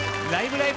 ライブ！